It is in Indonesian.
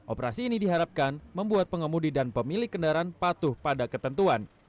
operasi ini diharapkan membuat pengemudi dan pemilik kendaraan patuh pada ketentuan